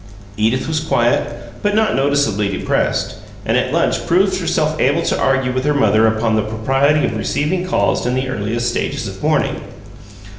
Edith was quiet, but not noticeably depressed, and at lunch proved herself able to argue with her mother upon the propriety of receiving calls in the earliest stages of "mourning."